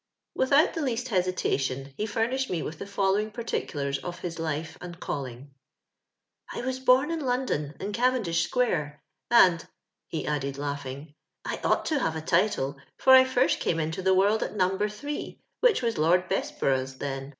Without the least hesitation he furnished me with the following particulars of his life and calling :—" I was bom in London, in Cavendish square, and (ho added, laughing) I ought to have a title, for I first came into the world at No. 3, which was Lord Bessborough's then.